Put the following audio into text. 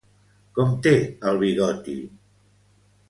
Com té el bigoti?